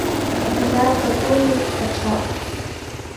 Иныҵакәыруеит ачалт!